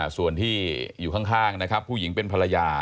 ส่วนที่อยู่ข้างนะครับผู้หญิงเป็นภรรยา